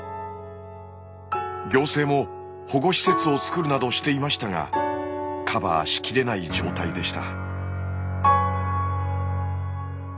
行政も保護施設を作るなどしていましたがカバーしきれない状態でした。